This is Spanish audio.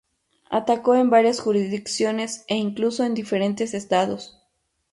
Atacó en varias jurisdicciones e incluso en diferentes estados.